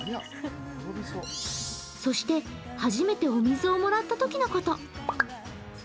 そして、初めてお水をもらったときのこと。